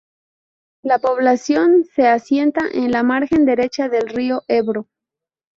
La población se asienta en la margen derecha del río Ebro.